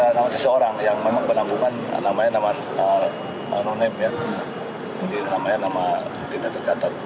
ada nama seseorang yang memang berlambungan namanya nama nonim ya namanya nama kita tercatat